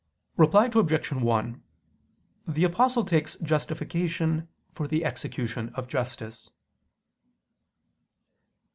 Reply Obj. 1: The Apostle takes justification for the execution of justice.